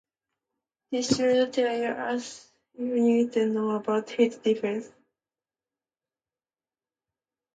This should tell you all you need to know about his defense.